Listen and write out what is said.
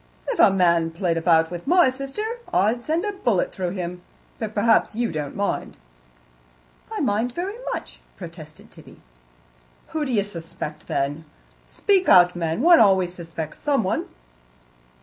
"If a man played about with my sister, I'd send a bullet through him, but perhaps you don't mind." "I mind very much," protested Tibby. "Who d'ye suspect, then? Speak out, man. One always suspects someone."